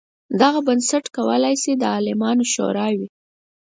دغه بنسټ کولای شي د عالمانو شورا وي.